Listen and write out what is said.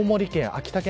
秋田県